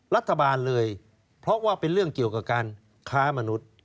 รัฐบาลเลยเพราะว่าเป็นเรื่องเกี่ยวกับการค้ามนุษย์